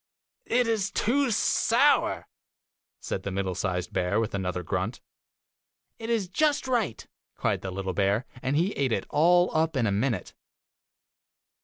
'It is too sour,' said the middle sized bear, with another grunt. 'It is just right!' cried the little bear, and he ate it all up in a minute.